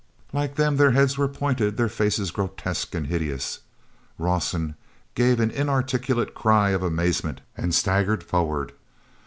Like them their heads were pointed, their faces grotesque and hideous. Rawson gave an inarticulate cry of amazement and staggered forward.